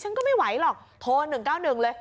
ฉันก็ไม่ไหวหรอกโทร๑๙๑เลย